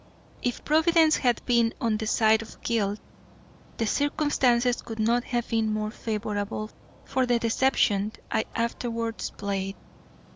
If Providence had been on the side of guilt, the circumstances could not have been more favourable for the deception I afterwards played.